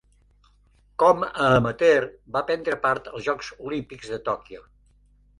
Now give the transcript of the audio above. Com a amateur va prendre part als Jocs Olímpics de Tòquio.